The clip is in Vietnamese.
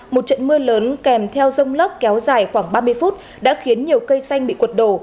một trận mưa lớn kèm theo rông lốc kéo dài khoảng ba mươi phút đã khiến nhiều cây xanh bị quật đổ